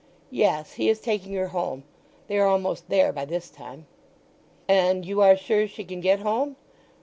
"Yes. He is taking her home. They are almost there by this time." "And you are sure she can get home?"